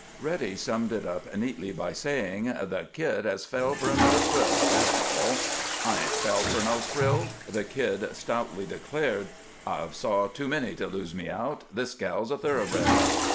Reddy summed it up neatly by saying, "The Kid has fell for another quilt, that's all." "I 'ain't fell for no frill," the Kid stoutly declared. "I've saw too many to lose me out. This gal's a thoroughbred."